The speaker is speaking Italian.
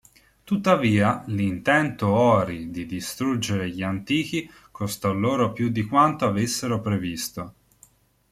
Tuttavia, l'intento Ori di distruggere gli Antichi costò loro più di quanto avessero previsto.